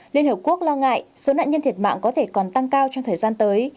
liên hợp quốc lo ngại số nạn nhân thiệt mạng có thể còn tăng cao trong thời gian tới